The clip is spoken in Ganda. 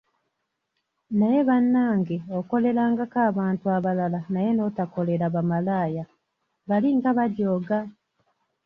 Naye bannange okolerangako abantu abalala naye n'otakolera bamalaaya, bali nga bajooga!